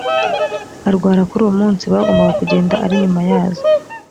arwara kuri uwo munsi bagombaga kugenda ari nyuma yazo